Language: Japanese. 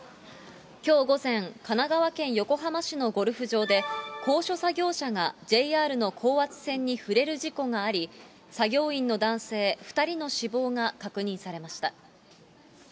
きょう午前、神奈川県横浜市のゴルフ場で、高所作業車がＪＲの高圧線に触れる事故があり、作業員の男性２人の死亡が確認されました。